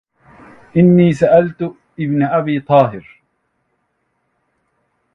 إني سألت ابن أبي طاهر